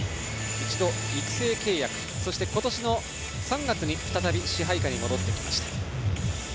一度、育成契約そして今年３月に再び支配下に戻ってきました。